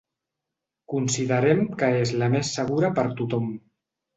Considerem que és la més segura per tothom.